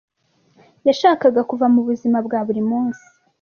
Yashakaga kuva mu buzima bwa buri munsi.